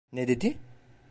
Ne dedi?